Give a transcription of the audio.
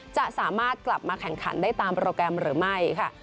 จะสามารถกลับมาแข่งขันได้ตามโปรแกรมหรือไม่ค่ะ